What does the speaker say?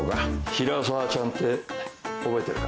平沢ちゃんって覚えてるか？